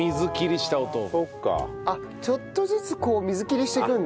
あっちょっとずつこう水切りしていくんだ。